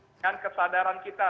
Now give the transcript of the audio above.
dengan kesadaran kita tiga m